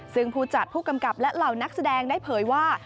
ซึ่งผู้จัดผู้กำกับและเหล่านักแสดงได้เผยว่า